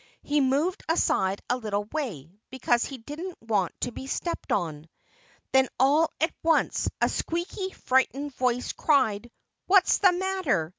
He moved aside a little way, because he didn't want to be stepped on. Then, all at once, a squeaky, frightened voice cried, "What's the matter?